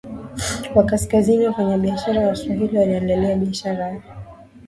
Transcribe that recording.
wa Kaskazini Wafanyabiashara Waswahili waliendeleza biashara ya